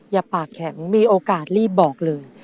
อย่าปากแข็งมีโอกาสรีบบอกเลย